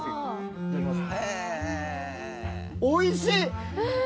いただきます。